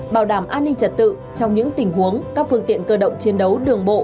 bảo đảm an ninh trật tự trong những tình huống các phương tiện cơ động chiến đấu đường bộ